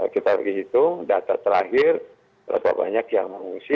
kita hitung data terakhir berapa banyak yang mengungsi